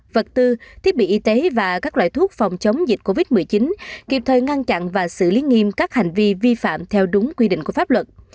vật tư thiết bị y tế và các loại thuốc phòng chống dịch covid một mươi chín kịp thời ngăn chặn và xử lý nghiêm các hành vi vi phạm theo đúng quy định của pháp luật